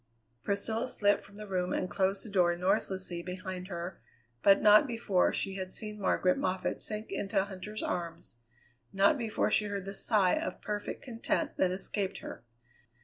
Priscilla slipped from the room and closed the door noiselessly behind her, but not before she had seen Margaret Moffatt sink into Huntter's arms; not before she heard the sigh of perfect content that escaped her.